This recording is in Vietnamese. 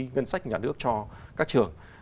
ngân sách nhà nước cho các trường